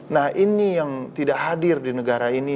nah ini yang tidak hadir di negara ini